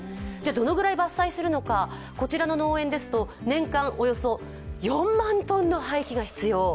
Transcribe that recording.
どのくらい伐採するのか、こちらの農園ですと、年間およそ４万トンの廃棄が必要。